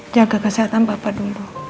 jaga kesehatan papa dulu